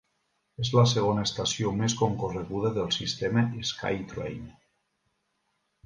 És la segona estació més concorreguda del sistema SkyTrain.